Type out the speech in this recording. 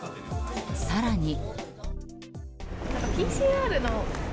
更に。